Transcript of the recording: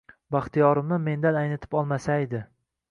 Baxtiyorimni mendan aynitib olmasaydi